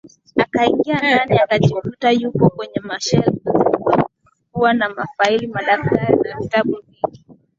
Akaingia ndani akajikuta yupo kwenye shelfu zilizokuwa na mafaili madaftari na vitabu vingi